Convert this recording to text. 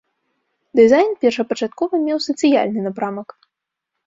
Дызайн першапачаткова меў сацыяльны напрамак.